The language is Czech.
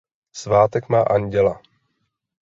Svátek má Anděla.